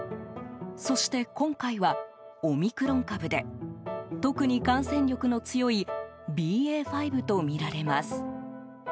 そして今回はオミクロン株で特に感染力の強いＢＡ．５とみられます。